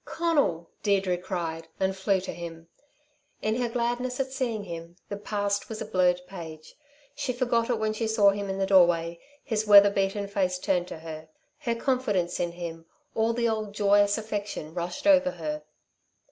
"Conal!" Deirdre cried, and flew to him. In her gladness at seeing him the past was a blurred page. She forgot it when she saw him in the doorway, his weather beaten face turned to her. Her confidence in him, all the old joyous affection, rushed over her.